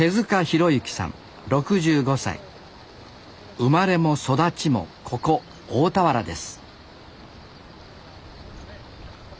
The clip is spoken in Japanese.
生まれも育ちもここ大田原です